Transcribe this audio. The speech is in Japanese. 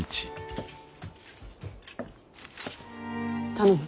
頼む。